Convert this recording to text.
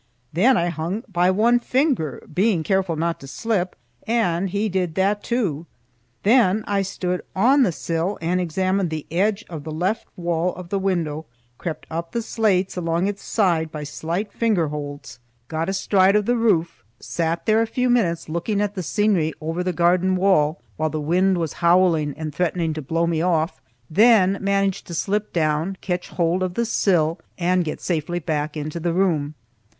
Then I hung by one finger, being careful not to slip, and he did that too. Then I stood on the sill and examined the edge of the left wall of the window, crept up the slates along its side by slight finger holds, got astride of the roof, sat there a few minutes looking at the scenery over the garden wall while the wind was howling and threatening to blow me off, then managed to slip down, catch hold of the sill, and get safely back into the room.